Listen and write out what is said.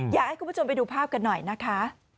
อยากให้คุณผู้ชมไปดูภาพกันหน่อยนะคะ